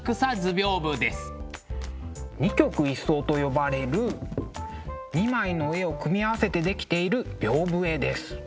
二曲一双と呼ばれる２枚の絵を組み合わせてできている屏風絵です。